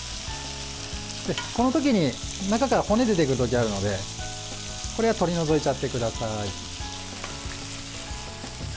このときに中から骨出てくるときがあるのでこれは取り除いちゃってください。